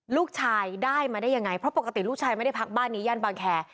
ลูกชายได้มาได้ยังไงเพราะปกติลูกชายไม่ได้พักบ้านนี้ย่านบางแคร์